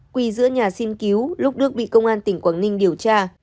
quy giữa nhà xin cứu lúc đức bị công an tỉnh quảng ninh điều tra